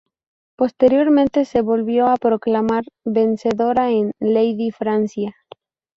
Posteriormente se volvió a proclamar vencedora en "Lady Francia".